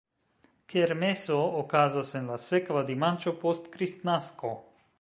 Kermeso okazas en la sekva dimanĉo post Kristnasko.